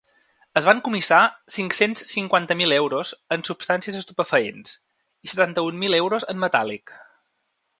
Es van comissar cinc-cents cinquanta mil euros en substàncies estupefaents i setanta-un mil euros en metàl·lic.